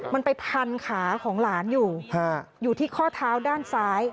มันไปพันขาของหลานอยู่อยู่ที่ข้อเท้าด้านซ้าย